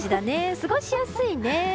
過ごしやすいね。